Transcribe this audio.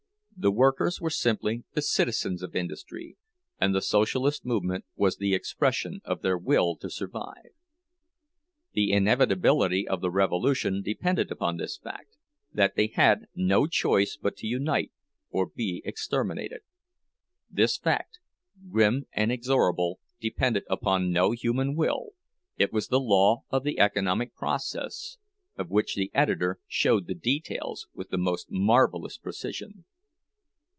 The workers were simply the citizens of industry, and the Socialist movement was the expression of their will to survive. The inevitability of the revolution depended upon this fact, that they had no choice but to unite or be exterminated; this fact, grim and inexorable, depended upon no human will, it was the law of the economic process, of which the editor showed the details with the most marvelous precision.